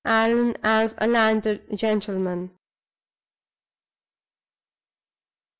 ALLAN AS A LANDED GENTLEMAN.